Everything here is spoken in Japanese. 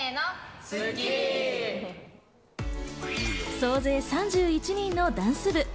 総勢３１人のダンス部。